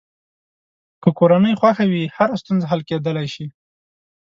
که کورنۍ خوښه وي، هره ستونزه حل کېدلی شي.